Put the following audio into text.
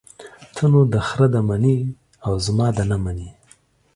ته نو دخره ده منې او زما ده نه منې.